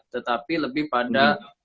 tetapi lebih pada